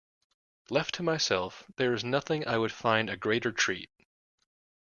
Left to myself, there is nothing I would find a greater treat.